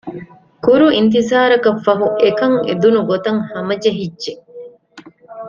ކުރު އިންތިޒާރަކަށް ފަހު އެކަން އެދުނު ގޮތަށް ހަމަޖެހިއްޖެ